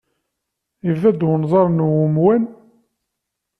Yebda-d unẓar n umwan.